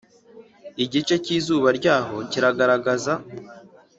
igice cy'izuba ryaho cyirigaragaza